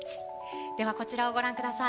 では、こちらをご覧ください。